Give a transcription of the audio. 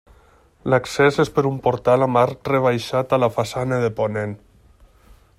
L'accés és per un portal amb arc rebaixat a la façana de ponent.